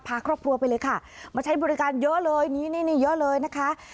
พาครอบครัวไปเลยค่ะมาใช้บริการเยอะเลยนี่นี่เยอะเลยนะคะ